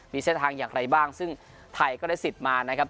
มีเส้นทางอย่างไรบ้างซึ่งไทยก็ได้สิทธิ์มานะครับ